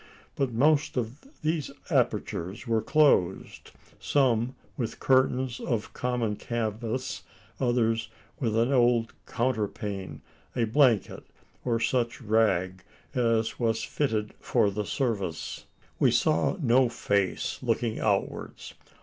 But most of these apertures were closed, some with curtains of common canvas others with an old counterpane, a blanket, or such rag as was fitted for the service. We saw no face looking outwards.